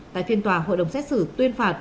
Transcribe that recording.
tại phiên tòa hội đồng xét xử tuyên phạt